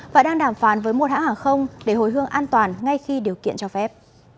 và đang đàm phán với một hãng hàng không để hồi hương an toàn ngay khi điều kiện cho phép